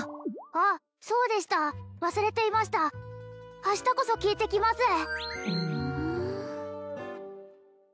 あっそうでした忘れていました明日こそ聞いてきますうん？